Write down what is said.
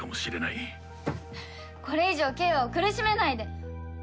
これ以上景和を苦しめないで！